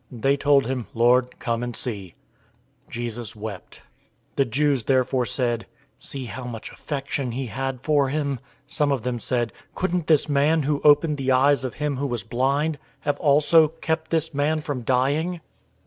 They told him, "Lord, come and see." 011:035 Jesus wept. 011:036 The Jews therefore said, "See how much affection he had for him!" 011:037 Some of them said, "Couldn't this man, who opened the eyes of him who was blind, have also kept this man from dying?"